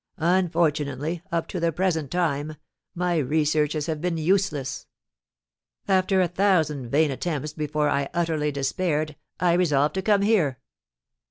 Unfortunately, up to the present time, my researches have been useless. After a thousand vain attempts before I utterly despaired, I resolved to come here.